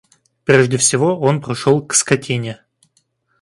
Прежде всего он прошел к скотине.